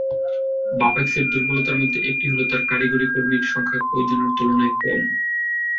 বাপেক্সের দুর্বলতার মধ্যে একটি হলো তার কারিগরি কর্মীর সংখ্যা প্রয়োজনের তুলনায় কম।